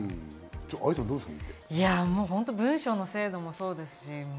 愛さん、どうですか？